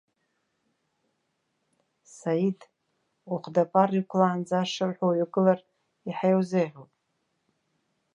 Саид, ухәдапара иқәлаанӡа, ашырҳәа уҩагылар, иаҳа иузеиӷьуп.